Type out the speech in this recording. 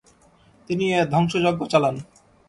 তিনি এ ধ্বংসযজ্ঞ চালান।